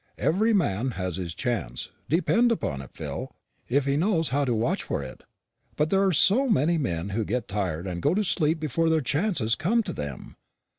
Every man has his chance, depend upon it, Phil, if he knows how to watch for it; but there are so many men who get tired and go to sleep before their chances come to them.